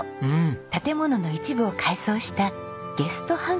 建物の一部を改装したゲストハウスです。